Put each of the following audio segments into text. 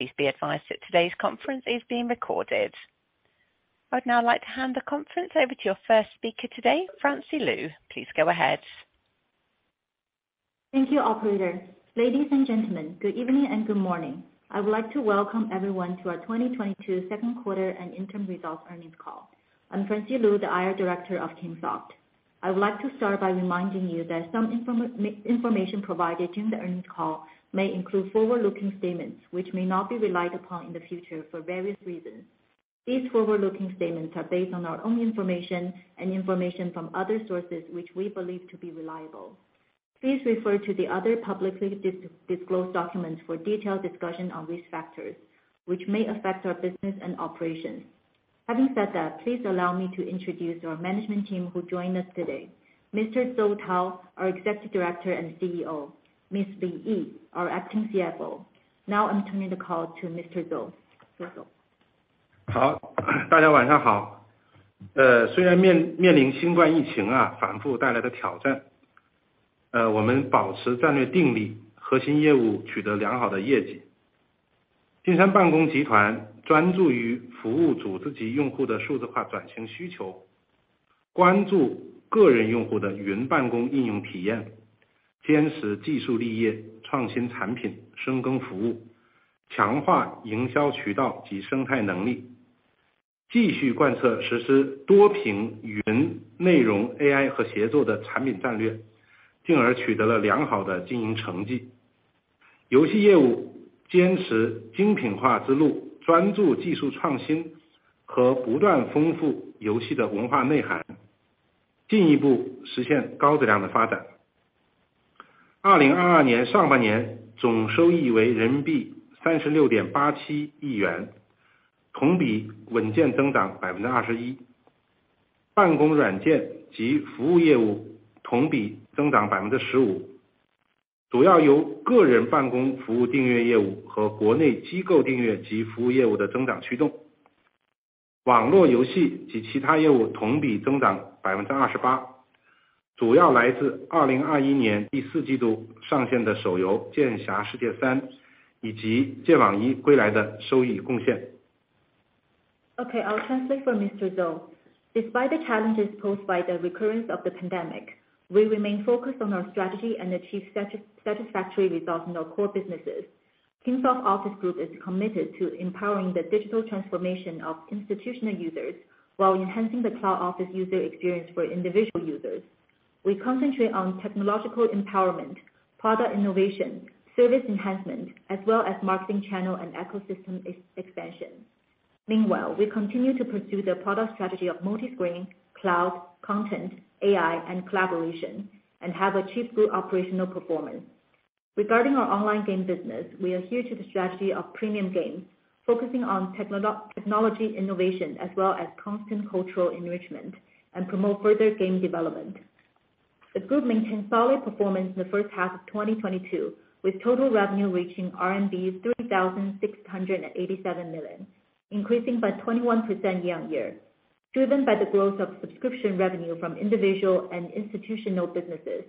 Please be advised that today's conference is being recorded. I'd now like to hand the conference over to your first speaker today, Francie Lu. Please go ahead. Thank you, operator. Ladies and Gentlemen, good evening and good morning. I would like to welcome everyone to our 2022 Second Quarter and Interim Results Earnings Call. I'm Francie Lu, the IR director of Kingsoft. I would like to start by reminding you that some information provided during the earnings call may include forward-looking statements which may not be relied upon in the future for various reasons. These forward-looking statements are based on our own information and information from other sources, which we believe to be reliable. Please refer to the other publicly disclosed documents for detailed discussion on risk factors which may affect our business and operations. Having said that, please allow me to introduce our management team who join us today. Mr. Tao Zou, our Executive Director and CEO. Ms. Yi Li, our Acting CFO. Now I'm turning the call to Mr. Tao Zou. Uh, Okay, I'll translate for Mr. Zou. Despite the challenges posed by the recurrence of the pandemic, we remain focused on our strategy and achieve satisfactory results in our core businesses. Kingsoft Office Group is committed to empowering the digital transformation of institutional users while enhancing the cloud office user experience for individual users. We concentrate on technological empowerment, product innovation, service enhancement, as well as marketing channel and ecosystem expansion. Meanwhile, we continue to pursue the product strategy of multi-screen, cloud, content, AI, and collaboration, and have achieved good operational performance. Regarding our online game business, we adhere to the strategy of premium games, focusing on technology innovation, as well as constant cultural enrichment, and promote further game development. The group maintained solid performance in the first half of 2022, with total revenue reaching RMB 3,687 million, increasing by 21% year-on-year. Driven by the growth of subscription revenue from individual and institutional businesses,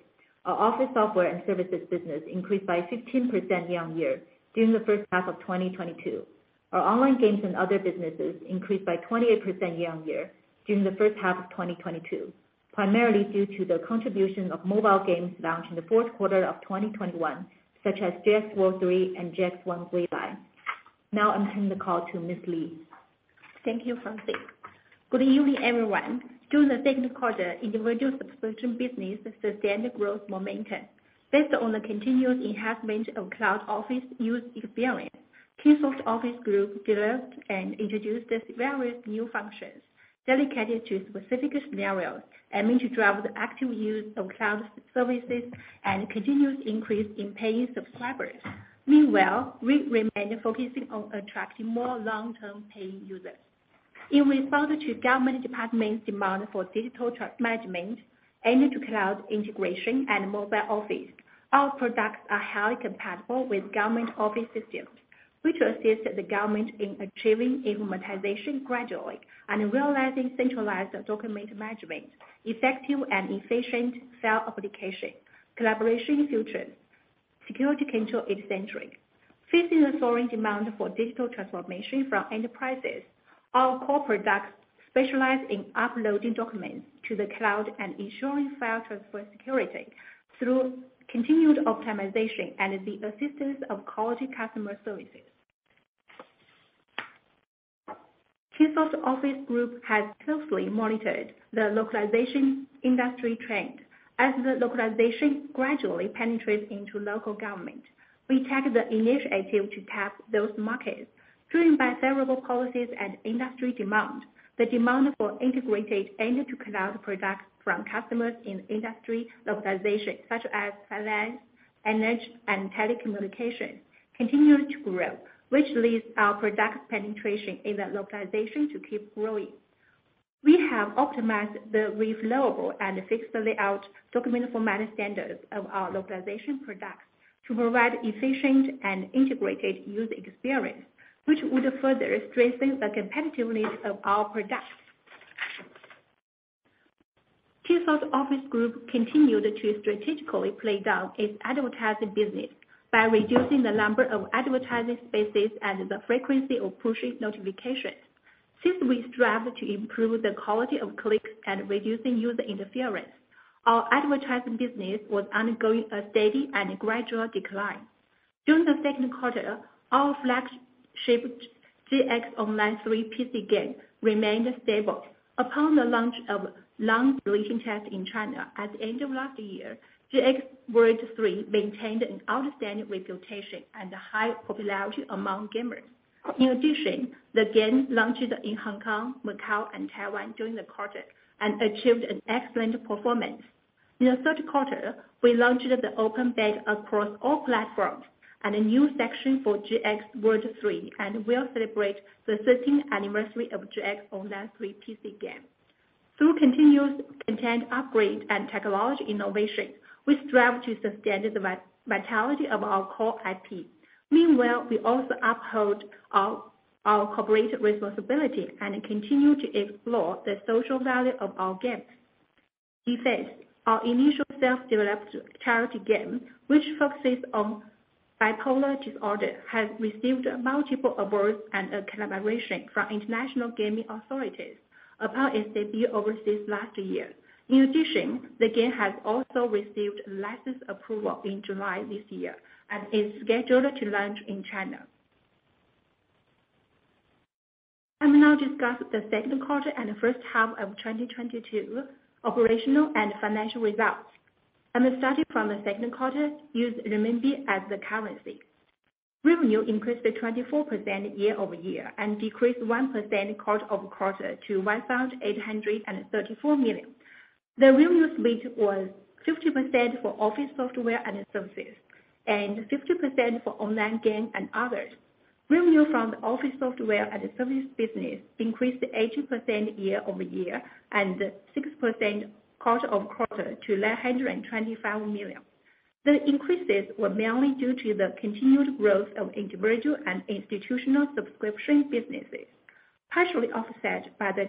our office software and services business increased by 15% year-on-year during the first half of 2022. Our online games and other businesses increased by 28% year-on-year during the first half of 2022, primarily due to the contribution of mobile games launched in the fourth quarter of 2021, such as JX World III and JX1 Guilai. Now I'll turn the call to Ms. Li. Thank you, Francie. Good evening, everyone. During the second quarter, individual subscription business sustained growth momentum. Based on the continuous enhancement of cloud office user experience, Kingsoft Office Group developed and introduced various new functions dedicated to specific scenarios aiming to drive the active use of cloud services and continuous increase in paying subscribers. Meanwhile, we remain focusing on attracting more long-term paying users. In response to government departments' demand for digital transformation management, end-to-cloud integration, and mobile office, our products are highly compatible with government office systems. We too assist the government in achieving automation gradually and realizing centralized document management, effective and efficient file application, collaboration features, security control centric. Facing the soaring demand for digital transformation from enterprises, our core products specialize in uploading documents to the cloud and ensuring file transfer security through continued optimization and the assistance of quality customer services. Kingsoft Office Group has closely monitored the Localization industry trend. As the Localization gradually penetrates into local government, we take the initiative to tap those markets. Driven by favorable policies and industry demand, the demand for integrated end-to-cloud products from customers in industry Localization, such as finance, energy, and telecommunication, continue to grow, which leads our product penetration in the Localization to keep growing. We have optimized the reflowable and fixed layout document format standards of our Localization products to provide efficient and integrated user experience, which would further strengthen the competitiveness of our products. Kingsoft Office Group continued to strategically play down its advertising business by reducing the number of advertising spaces and the frequency of pushing notifications. Since we strive to improve the quality of clicks and reducing user interference, our advertising business was undergoing a steady and gradual decline. During the second quarter, our flagship JX Online 3 PC game remained stable. Upon the launch of long release test in China at the end of last year, JX World III maintained an outstanding reputation and a high popularity among gamers. In addition, the game launched in Hong Kong, Macau, and Taiwan during the quarter and achieved an excellent performance. In the third quarter, we launched the open beta across all platforms, and a new section for JX World III, and will celebrate the thirteenth anniversary of JX Online 3 PC game. Through continuous content upgrade and technological innovation, we strive to sustain the vitality of our core IP. Meanwhile, we also uphold our corporate responsibility and continue to explore the social value of our games. Defend, our initial self-developed charity game, which focuses on bipolar disorder, has received multiple awards and acknowledgment from international gaming authorities upon its debut overseas last year. In addition, the game has also received license approval in July this year, and is scheduled to launch in China. I'm gonna discuss the second quarter and the first half of 2022, operational and financial results. I'm starting from the second quarter, use renminbi as the currency. Revenue increased 24% year-over-year and decreased 1% quarter-over-quarter to 1,834 million. The revenue split was 50% for office software and services, and 50% for online game and others. Revenue from the office software and service business increased 80% year-over-year and 6% quarter-over-quarter to 925 million. The increases were mainly due to the continued growth of individual and Institutional Subscription businesses, partially offset by the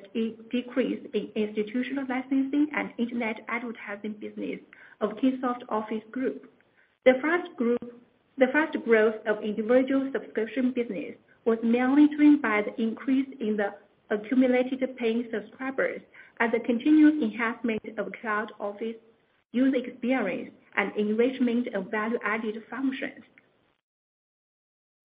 decrease in Institutional Licensing and internet advertising business of Kingsoft Office Group. The fast growth of individual subscription business was mainly driven by the increase in the accumulated paying subscribers as a continuous enhancement of cloud office user experience and enrichment of value-added functions.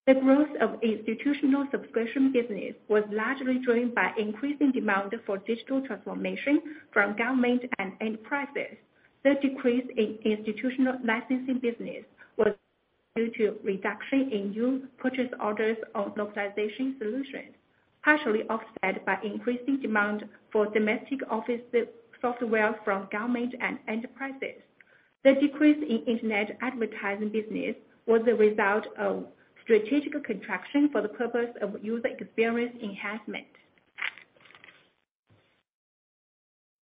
The growth of Institutional Subscription business was largely joined by increasing demand for digital transformation from government and enterprises. The decrease in Institutional Licensing business was due to reduction in new purchase orders of Localization solutions, partially offset by increasing demand for domestic office software from government and enterprises. The decrease in internet advertising business was a result of strategic contraction for the purpose of user experience enhancement.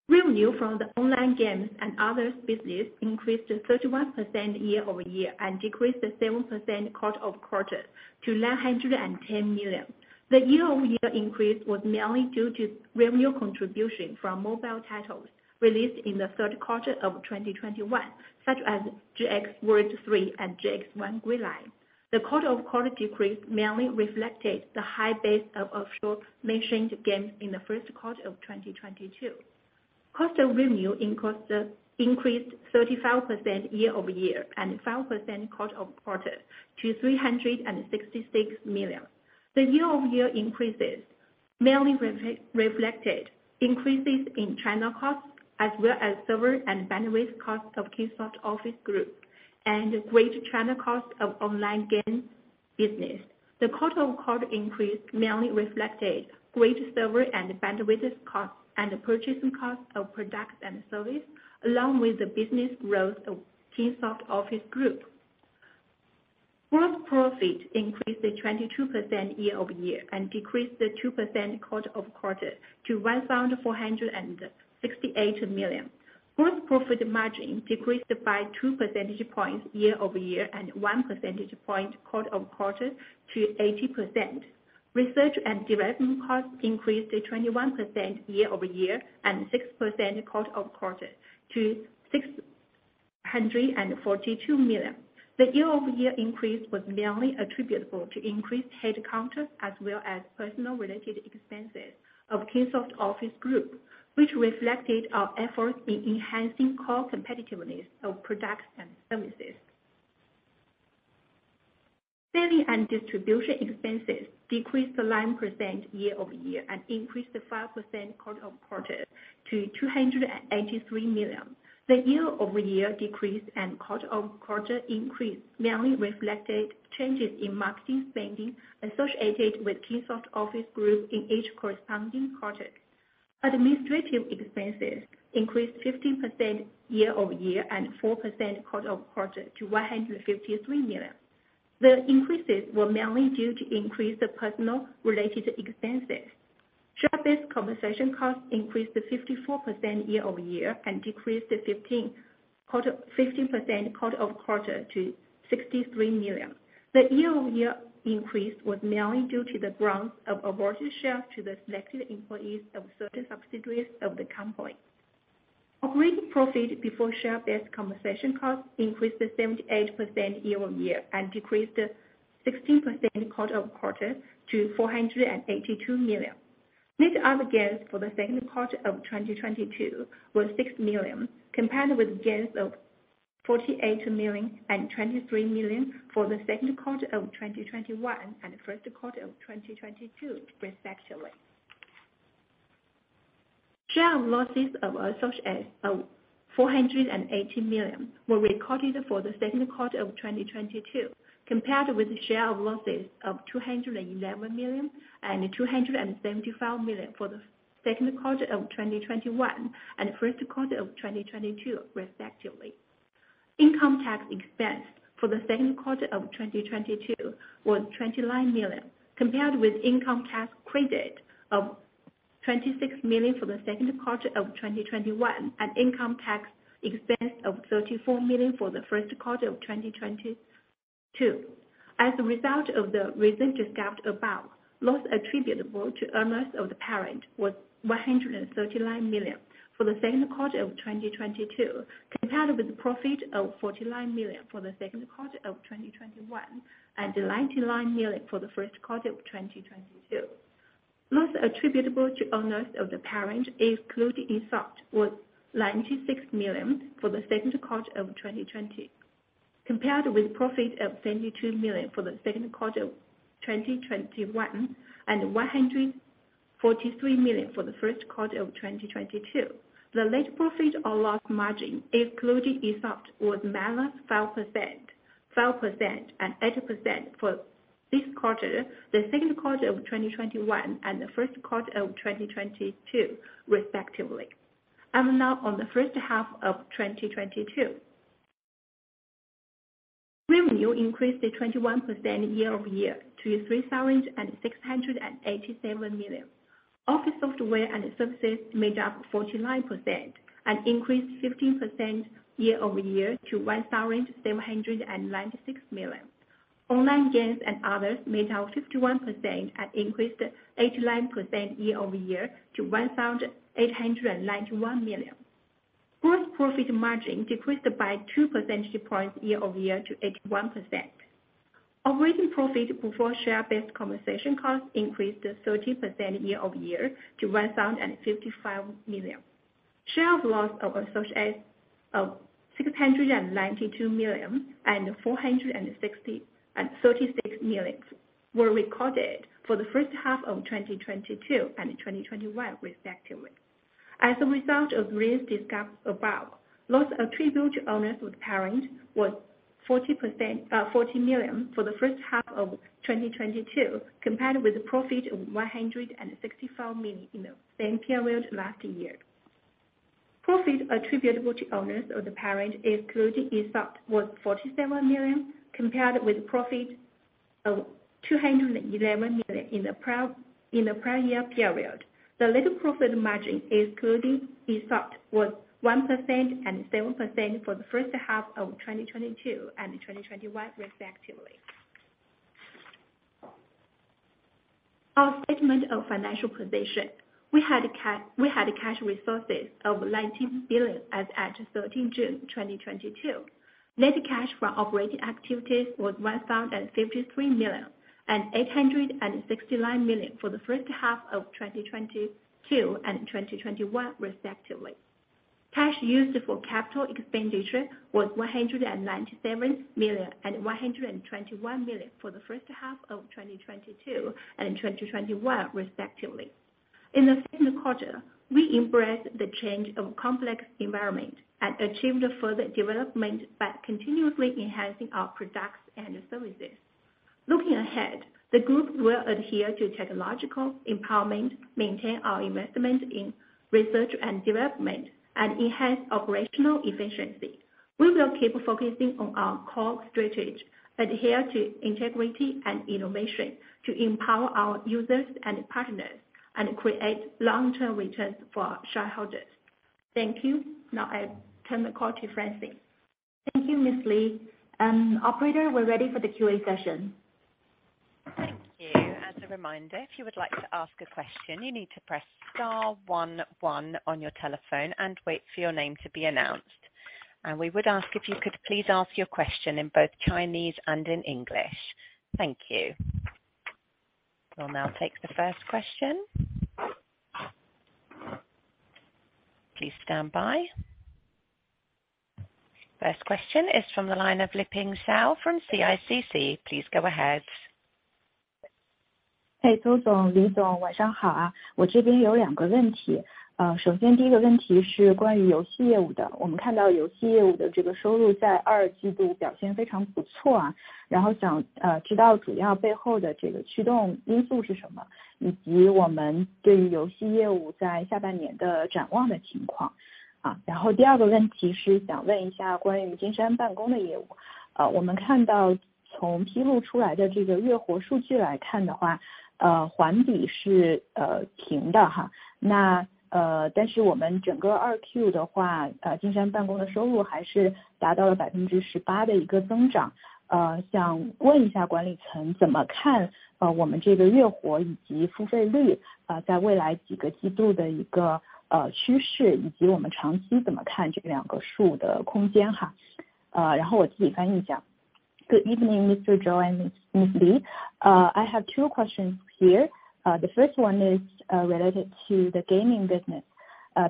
Revenue from the online games and others business increased 31% year-over-year and decreased 7% quarter-over-quarter to 910 million. The year-over-year increase was mainly due to revenue contribution from mobile titles released in the third quarter of 2021, such as JX World III and JX1 Guilai. The quarter-over-quarter decrease mainly reflected the high base of aforementioned games in the first quarter of 2022. Cost of revenue increased 35% year-over-year and 5% quarter-over-quarter to 366 million. The year-over-year increases mainly reflected increases in content costs, as well as server and bandwidth costs of Kingsoft Office Group, and greater content cost of online game business. The quarter-over-quarter increase mainly reflected greater server and bandwidth cost and purchasing cost of products and services, along with the business growth of Kingsoft Office Group. Gross profit increased 22% year-over-year and decreased 2% quarter-over-quarter to 1,468 million. Gross profit margin decreased by 2 percentage points year-over-year and 1 percentage point quarter-over-quarter to 80%. Research and development costs increased 21% year-over-year and 6% quarter-over-quarter to 642 million. The year-over-year increase was mainly attributable to increased headcounts, as well as personnel-related expenses of Kingsoft Office Group, which reflected our efforts in enhancing core competitiveness of products and services. Selling and distribution expenses decreased 9% year-over-year and increased 5% quarter-over-quarter to 283 million. The year-over-year decrease and quarter-over-quarter increase mainly reflected changes in marketing spending associated with Kingsoft Office Group in each corresponding quarter. Administrative expenses increased 15% year-over-year and 4% quarter-over-quarter to 153 million. The increases were mainly due to an increase in the personnel-related expenses. Share-Based Compensation costs increased 54% year-over-year and decreased 15% quarter-over-quarter to 63 million. The year-over-year increase was mainly due to the grants of awarded shares to the selected employees of certain subsidiaries of the company. Operating profit before Share-Based Compensation costs increased 78% year-over-year, and decreased 16% quarter-over-quarter to 482 million. Net other gains for the second quarter of 2022 were 6 million compared with gains of 48 million and 23 million for the second quarter of 2021 and first quarter of 2022, respectively. Share of losses of associates of 480 million were recorded for the second quarter of 2022, compared with the share of losses of 211 million and 275 million for the second quarter of 2021 and first quarter of 2022, respectively. Income tax expense for the second quarter of 2022 was 29 million, compared with income tax credit of 26 million for the second quarter of 2021, and income tax expense of 34 million for the first quarter of 2022. As a result of the results discussed above, loss attributable to owners of the parent was 139 million for the second quarter of 2022, compared with the profit of 49 million for the second quarter of 2021, and 99 million for the first quarter of 2022. Loss attributable to owners of the parent, excluding ESOP was 96 million for the second quarter of 2020, compared with profit of 72 million for the second quarter of 2021, and 143 million for the first quarter of 2022. The net profit or loss margin, excluding ESOP, was -5%, 5%, and 8% for this quarter, the second quarter of 2021, and the first quarter of 2022, respectively. Now on the first half of 2022. Revenue increased 21% year-over-year to 3,687 million. Office software and services made up 49% and increased 15% year-over-year to 1,796 million. Online games and others made up 51% and increased 89% year-over-year to 1,891 million. Gross profit margin decreased by 2 percentage points year-over-year to 81%. Operating profit before Share-Based Compensation costs increased 30% year-over-year to 1,055 million. Share of loss of associates of 692 million and 460 million were recorded for the first half of 2022 and 2021, respectively. As a result of results discussed above, loss attributable to owners of parent was 40 million for the first half of 2022, compared with a profit of 165 million in the same period last year. Profit attributable to owners of the parent excluding ESOP was 47 million, compared with profit of 211 million in the prior year period. The little profit margin, excluding ESOP, was 1% and 7% for the first half of 2022 and 2021, respectively. Our statement of financial position. We had cash resources of 19 billion as at 13 June 2022. Net cash from operating activities was 1,053 million and 869 million for the first half of 2022 and 2021 respectively. Cash used for capital expenditure was 197 million and 121 million for the first half of 2022 and 2021 respectively. In the second quarter, we embraced the changing complex environment and achieved further development by continuously enhancing our products and services. Looking ahead, the Group will adhere to technological empowerment, maintain our investment in research and development, and enhance operational efficiency. We will keep focusing on our core, adhere to integrity and innovation to empower our users and partners, and create long-term returns for shareholders. Thank you. Now I turn the call to Francie. Thank you, Ms. Li. Operator, we're ready for the QA session. Thank you. As a reminder, if you would like to ask a question, you need to press star one one on your telephone and wait for your name to be announced. We would ask if you could please ask your question in both Chinese and in English. Thank you. We'll now take the first question. Please stand by. First question is from the line of Liping Zhao from CICC. Please go ahead. Hey, Zou Zong, Li Zong, 晚上好啊. Good evening, Mr. Zou and Ms. Li. I have two questions here. The first one is related to the gaming business,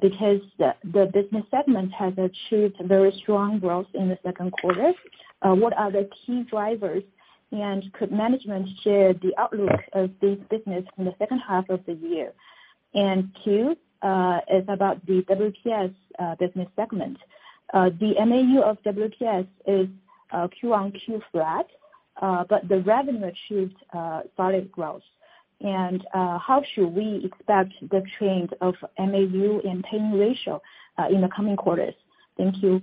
because the business segment has achieved very strong growth in the second quarter, what are the key drivers? Could management share the outlook of this business in the second half of the year? Two, is about the WPS business segment. The MAU of WPS is quarter-on-quarter flat, but the revenue achieved solid growth. How should we expect the trend of MAU and paying ratio in the coming quarters? Thank you.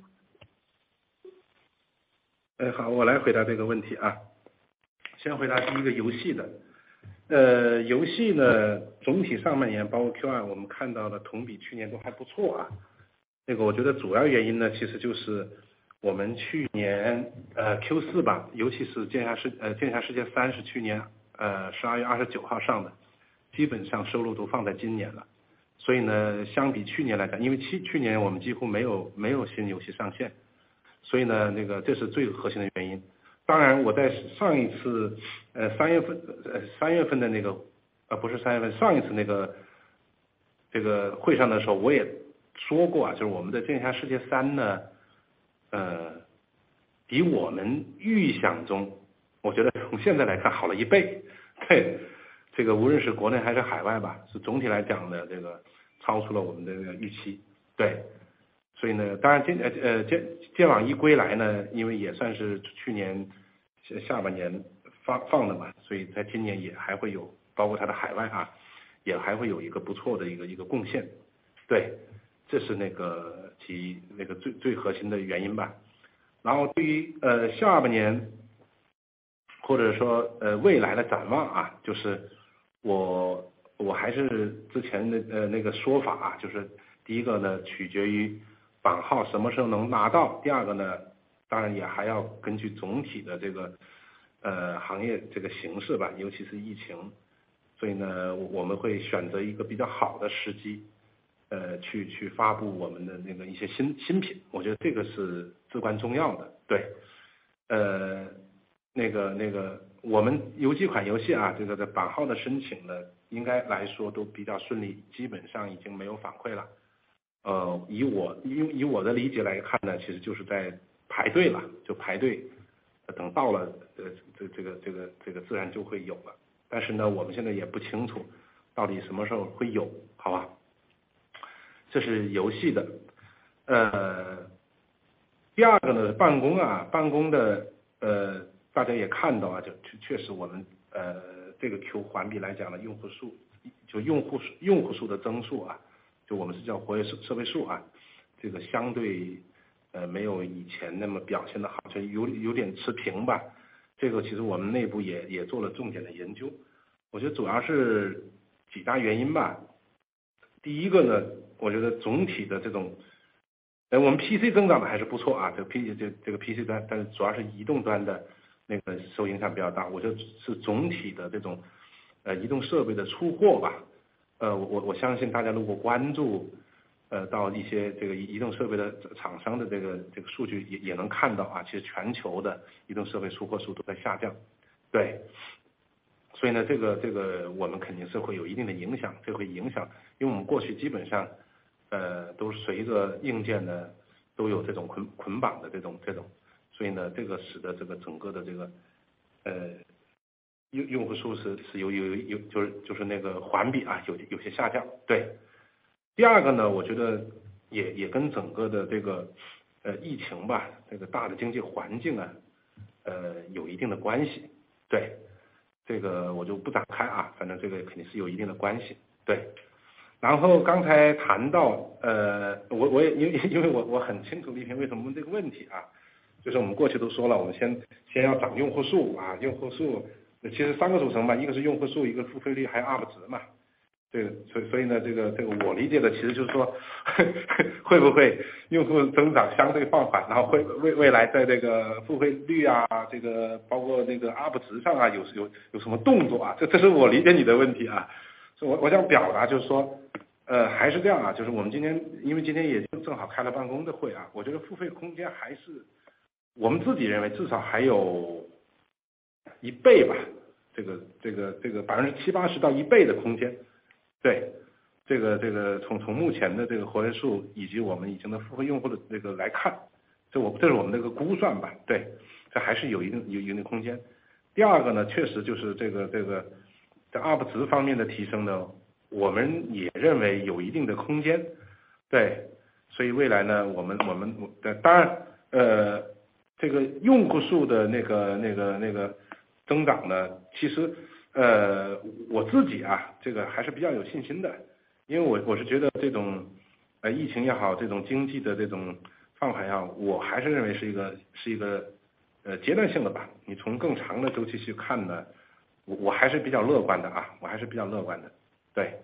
Okay,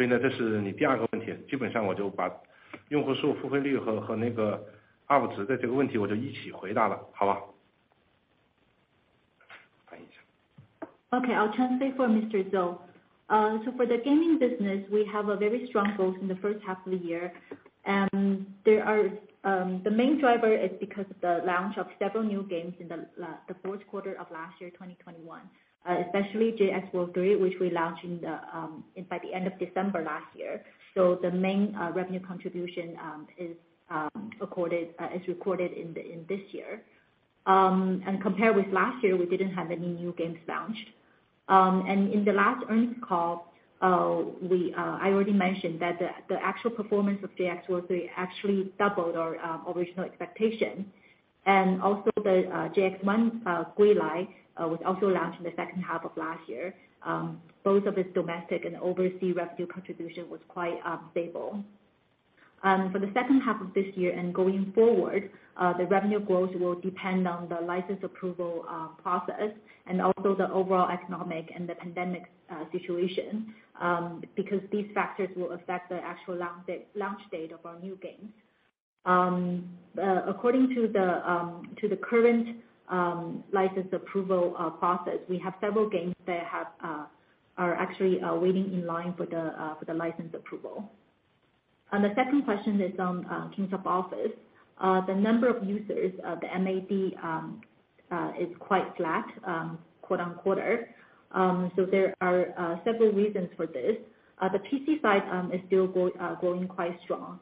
I'll translate for Mr. For the gaming business, we have a very strong growth in the first half of the year, and there are the main driver is because the launch of several new games in the fourth quarter of last year, 2021. especially JX World III, which we launch by the end of December last year. The main revenue contribution is recorded in this year. Compare with last year, we didn't have any new games launched. In the last earnings call, I already mentioned that the actual performance of JX World III actually doubled our original expectation. Also the JX1 Guilai was also launched in the second half of last year. Both of its domestic and overseas revenue contribution was quite stable. For the second half of this year and going forward, the revenue growth will depend on the license approval process and also the overall economic and the pandemic situation, because these factors will affect the actual launch date of our new games. According to the current license approval process, we have several games that are actually waiting in line for the license approval. The second question is on Kingsoft Office. The number of users of the MAU is quite flat quarter on quarter. There are several reasons for this. The PC side is still growing quite strong,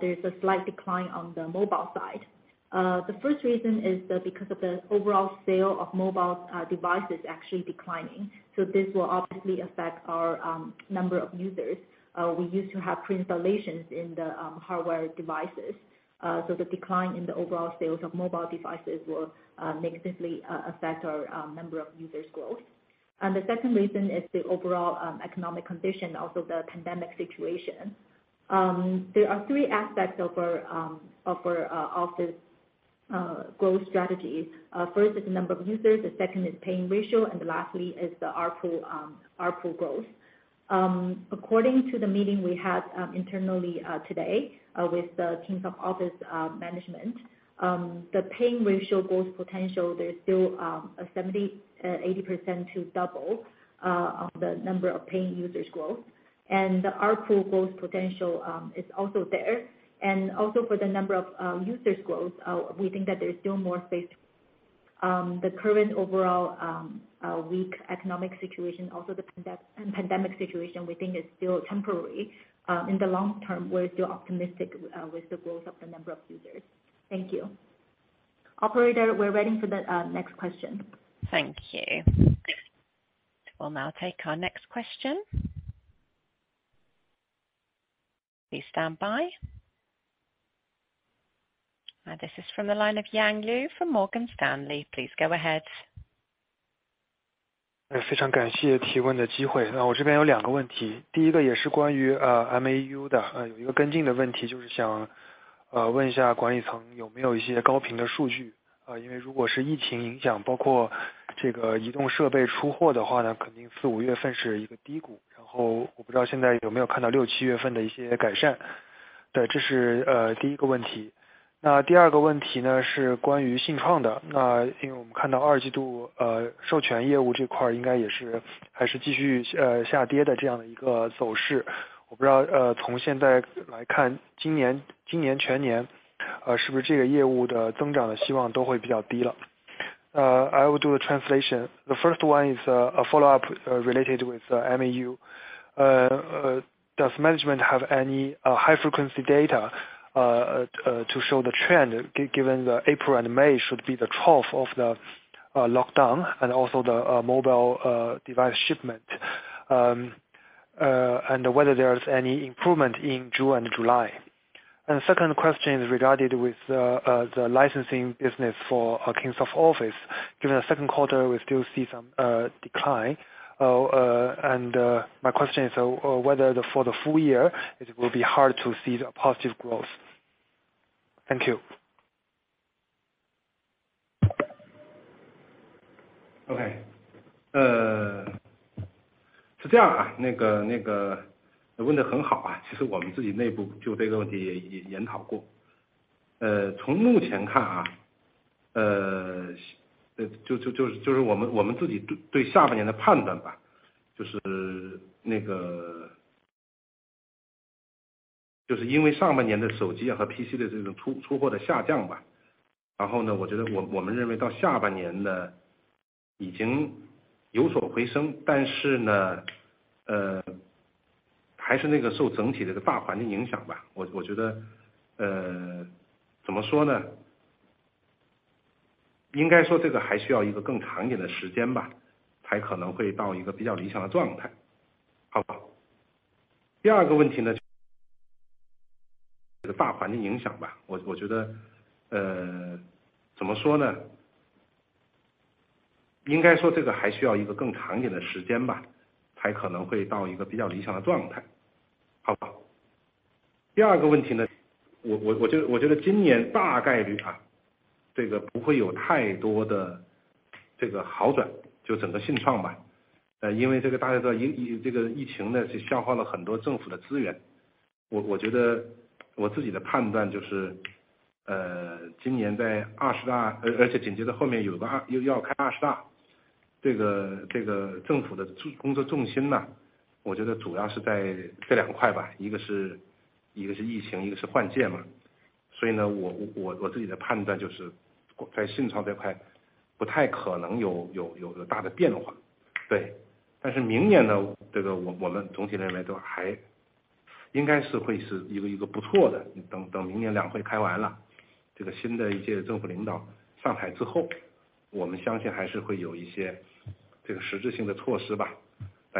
there is a slight decline on the mobile side. The first reason is that because of the overall sale of mobile devices actually declining, this will obviously affect our number of users. We used to have pre-installations in the hardware devices, so the decline in the overall sales of mobile devices will negatively affect our number of users growth. The second reason is the overall economic condition, also the pandemic situation. There are three aspects of this growth strategy. First is the number of users, the second is paying ratio, and lastly is the ARPU growth. According to the meeting we had internally today with the Kingsoft Office management, the paying ratio growth potential, there's still a 70%-80% to double of the number of paying users growth. The ARPU growth potential is also there. Also for the number of users growth, we think that there is still more space. The current overall weak economic situation, also the pandemic situation, we think it's still temporary. In the long term, we are still optimistic with the growth of the number of users. Thank you. Operator, we are ready for the next question. Thank you. We'll now take our next question. Please stand by. This is from the line of Yang Liu from Morgan Stanley. Please go ahead. I will do a translation. The first one is a follow up related with MAU. Does management have any high frequency data to show the trend, given that April and May should be the trough of the lockdown and also the mobile device shipment, and whether there is any improvement in June and July. And the second question is regarding the licensing business for Kingsoft Office. During the second quarter, we still see some decline, and my question is whether for the full year it will be hard to see the positive growth. Thank you. 好的，谢谢邹总。OK,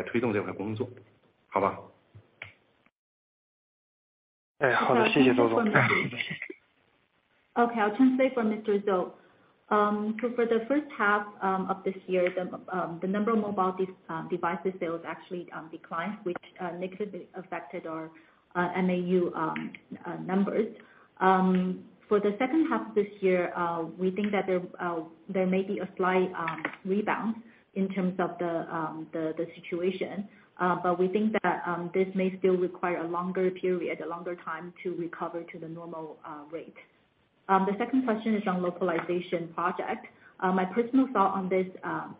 I'll translate for Mr. Zou. For the first half of this year, the number of mobile device sales actually declined, which negatively affected our MAU numbers. For the second half of this year, we think that there may be a slight rebound in terms of the situation, but we think that this may still require a longer period, a longer time to recover to the normal rate. The second question is on Localization project. My personal thought on this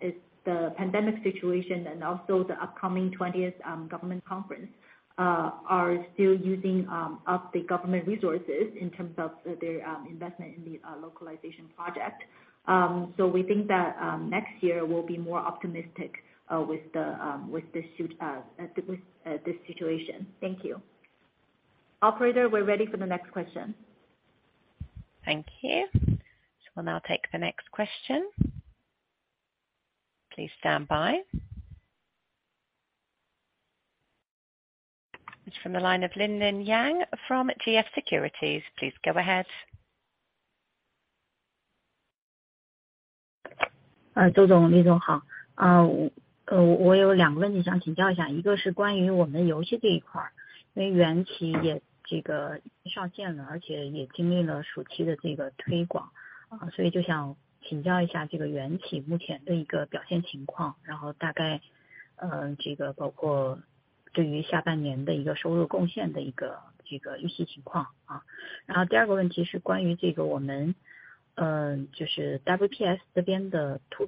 is the pandemic situation and also the upcoming 20th government conference are still using up the government resources in terms of the investment in the Localization project. We think that next year will be more optimistic with this situation. Thank you. Operator. We're ready for the next question. Thank you. We'll now take the next question. Please stand by. It's from the line of Linlin Yang from GF Securities. Please go ahead.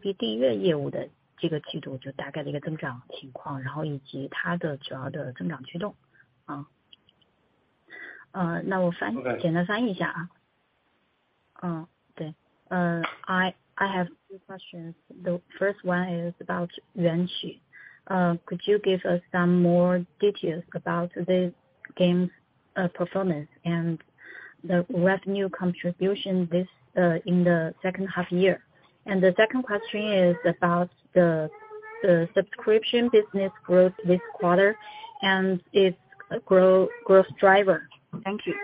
B订阅业务这个季度大概的增长情况，以及它的主要的增长驱动。那我简单翻译一下。Uh, I have two questions. The first one is about JX3. Could you give us some more details about the game's performance and the revenue contribution this in the second half year? The second question is about the subscription business growth this quarter and its growth driver. Thank you.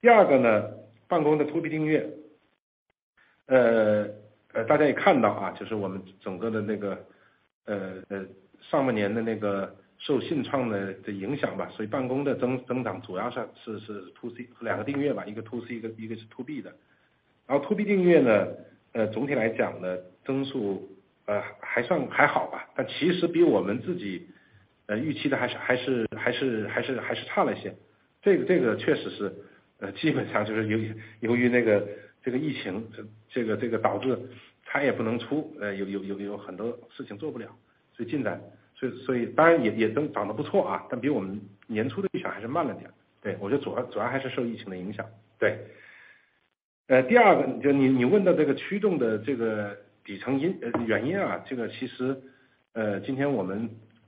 第二个呢，办公的To B订阅。大家也看到，就是我们整个的上半年的那个受信创的影响吧，所以办公的增长主要上是To C，两个订阅吧，一个To C，一个是To B的。然后To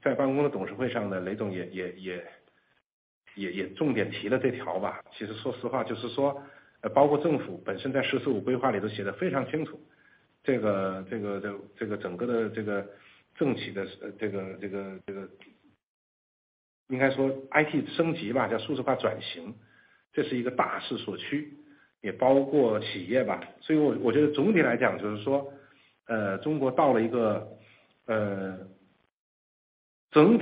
Five-Year Plan里都写得非常清楚，这个整个的这个政企的，应该说IT升级吧，叫数字化转型，这是一个大势所趋，也包括企业吧。所以我觉得总体来讲就是说，中国到了一个整体到了一个就是无论是政府还是企业，到了一个整个信息化升级的这么一个大趋势的浪潮里头来。所以我们大概率认为就金山办公未来也会加大，就是你像我们现在To B跟To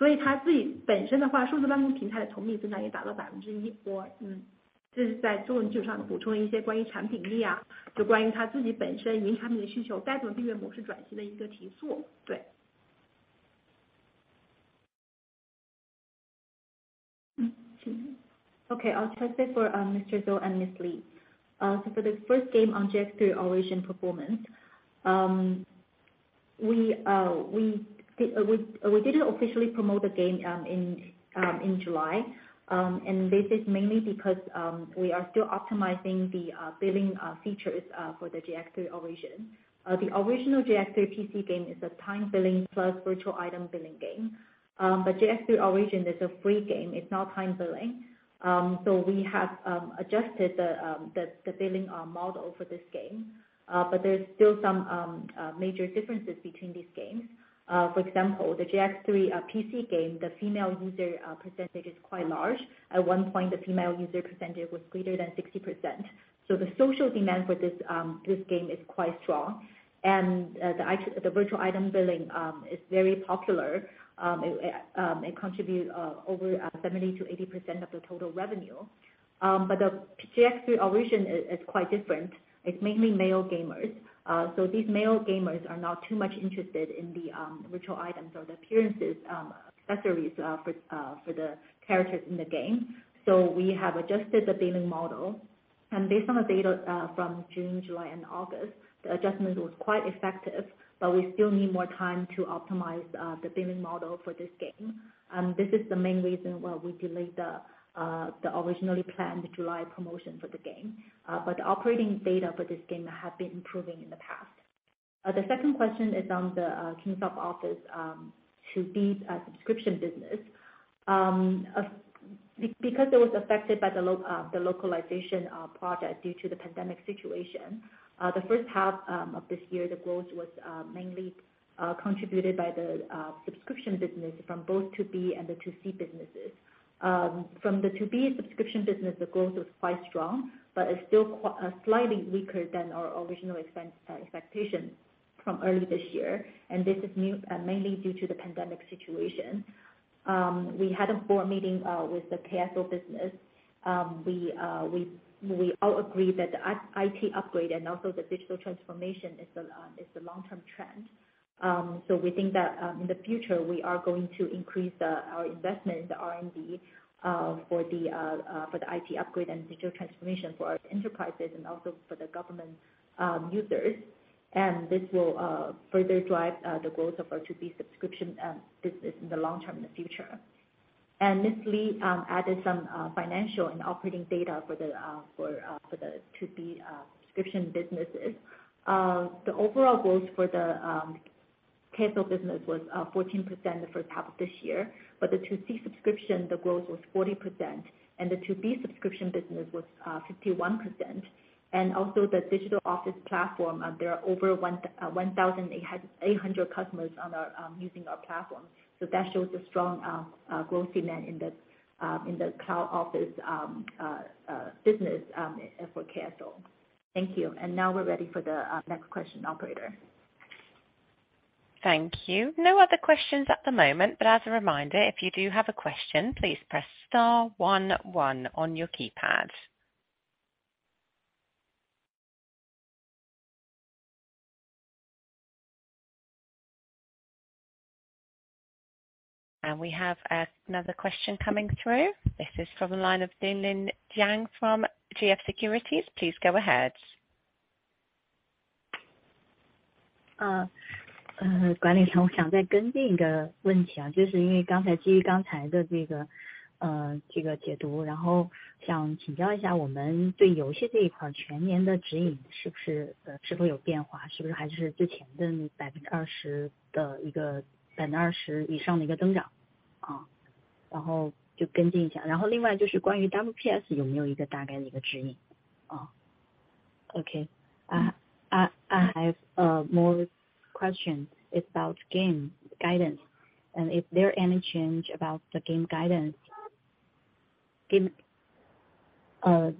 Okay, I'll try say for Mr. Zou and Ms. Li. For the first game on JX3 Origin performance. We didn't officially promote the game in July. This is mainly because we are still optimizing the billing features for the JX3 Origin. The original JX3 PC game is a time billing plus virtual item billing game. JX3 Origin is a free game, it's not time billing. We have adjusted the billing model for this game. There's still some major differences between these games. For example, the JX3 PC game, the female user percentage is quite large. At one point the female user percentage was greater than 60%. The social demand for this game is quite strong. The virtual item billing is very popular. It contribute over 70%-80% of the total revenue. The JX3 Origin is quite different. It's mainly male gamers. These male gamers are not too much interested in the virtual items or the appearances accessories for the characters in the game. We have adjusted the billing model. Based on the data from June, July and August, the adjustment was quite effective. We still need more time to optimize the billing model for this game. This is the main reason why we delayed the originally planned July promotion for the game. The operating data for this game have been improving in the past. The second question is on the Kingsoft Office to B subscription business. Maybe because it was affected by the Localization project due to the pandemic situation. The first half of this year, the growth was mainly contributed by the subscription business from both to B and the to C businesses. From the to B subscription business, the growth was quite strong, but it's still slightly weaker than our original expectation from early this year. This is new, mainly due to the pandemic situation. We had a board meeting with the KSO business. We all agreed that the IT upgrade and also the digital transformation is a long-term trend. We think that in the future, we are going to increase our investment in R&D for the IT upgrade and digital transformation for our enterprises and also for the government users. This will further drive the growth of our to B subscription business in the long term in the future. Ms. Li added some financial and operating data for the to B subscription businesses. The overall growth for the KSO business was 14% the first half of this year, but the to C subscription, the growth was 40%, and the to B subscription business was 51%. Also the digital office platform, there are over 1,800 customers on our using our platform. That shows a strong growth demand in the cloud office business for KSO. Thank you. Now we're ready for the next question, operator. Thank you. No other questions at the moment, but as a reminder, if you do have a question, please press star one one on your keypad. We have another question coming through. This is from the line of Linlin Yang from GF Securities. Please go ahead. Okay. I have more question. It's about game guidance and if there any change about the game guidance. Game, 20%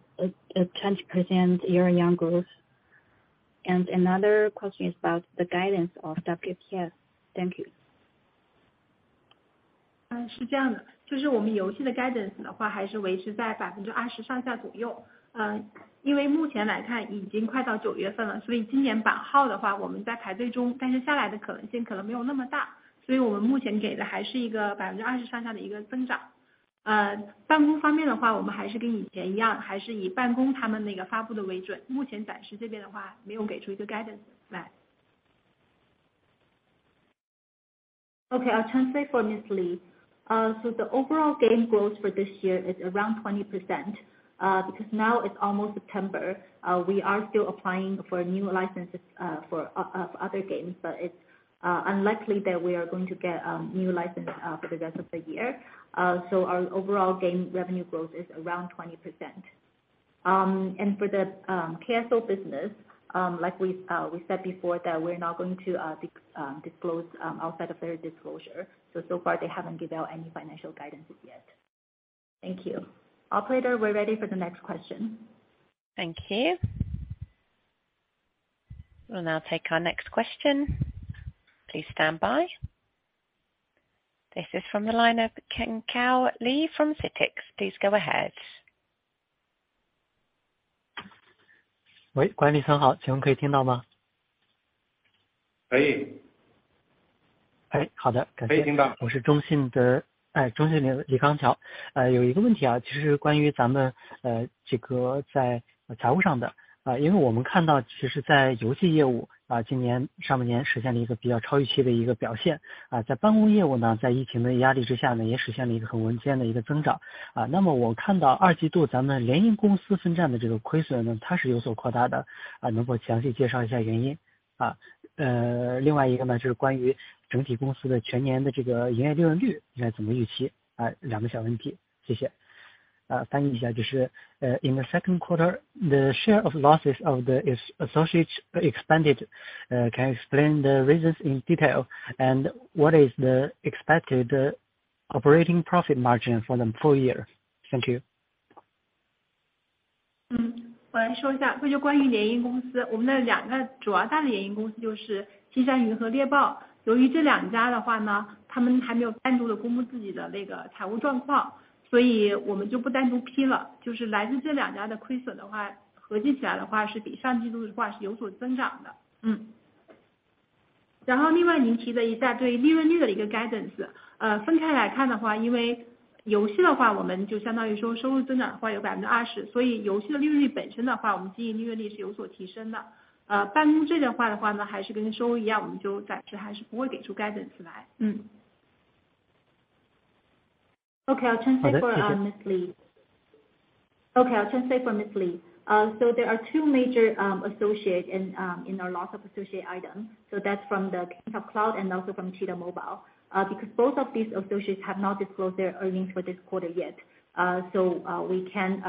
year-on-year growth. Another question is about the guidance of WPS. Thank you. Okay. I'll translate for Ms. Li. The overall game growth for this year is around 20%, because now it's almost September. We are still applying for new licenses for other games, but it's unlikely that we are going to get a new license for the rest of the year. Our overall game revenue growth is around 20%. For the KSO business, like we said before, we're not going to disclose outside of their disclosure. So far they haven't given out any financial guidance yet. Thank you. Operator, we're ready for the next question. Thank you. We'll now take our next question. Please stand by. This is from the line of Ken Kao Lee from Citics. Please go ahead. Can you hear me? 可以。好的，感谢。可以听到。In the second quarter, the share of losses of the associates expanded. Can you explain the reasons in detail? And what is the expected Operating Profit Margin for the full year? Thank you. Okay. I'll translate for Ms. Li Yi. 好的，谢谢。Okay, I'll translate for Ms. Li. So there are two major associates in our loss of associate items. That's from the Kingsoft Cloud and also from Cheetah Mobile. Because both of these associates have not disclosed their earnings for this quarter yet. So we can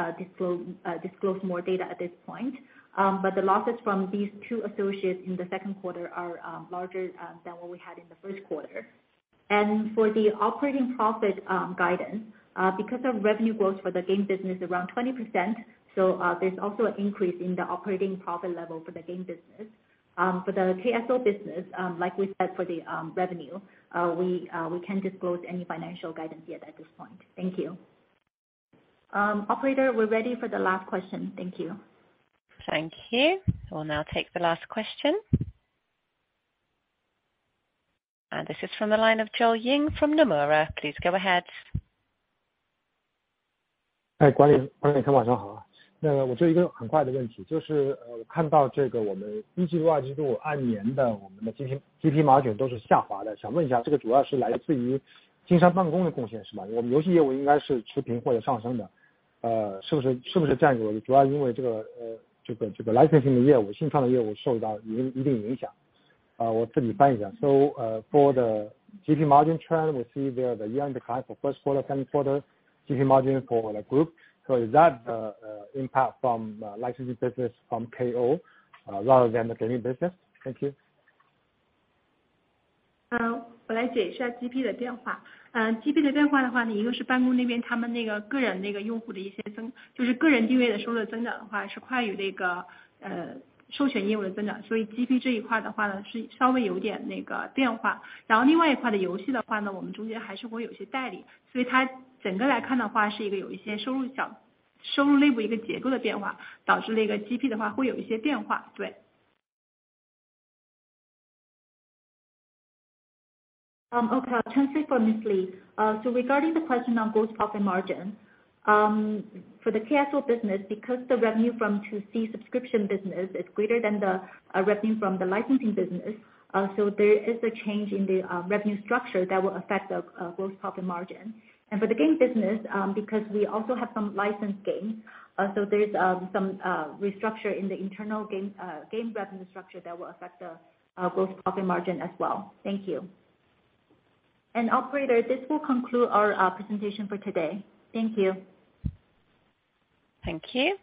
disclose more data at this point. But the losses from these two associates in the second quarter are larger than what we had in the first quarter. For the operating profit guidance, because of revenue growth for the game business, around 20%, there's also an increase in the operating profit level for the game business. For the KSO business, like we said, for the revenue, we can't disclose any financial guidance yet at this point. Thank you. Operator, we're ready for the last question. Thank you. Thank you. We'll now take the last question. This is from the line of Joel Ying from Nomura. Please go ahead. For the GP margin trend, we see there the year-on-year decline for first quarter, same quarter GP margin for the group. Is that impact from licensing business from KSO rather than the gaming business? Thank you. Okay, I'll translate for Ms. Li. Regarding the question on gross profit margin, for the KSO business, because the revenue from to C subscription business is greater than the revenue from the licensing business, so there is a change in the revenue structure that will affect the gross profit margin. For the game business, because we also have some licensed games, so there's some restructure in the internal game revenue structure that will affect the gross profit margin as well. Thank you. Operator, this will conclude our presentation for today. Thank you. Thank you.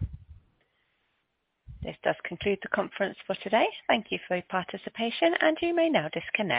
This does conclude the conference for today. Thank you for your participation, and you may now disconnect.